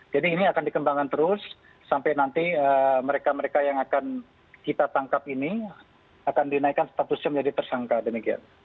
jadi ini akan dikembangkan terus sampai nanti mereka mereka yang akan kita tangkap ini akan dinaikkan statusnya menjadi tersangka dan begini